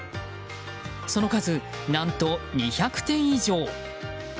その数、何と２００点以上。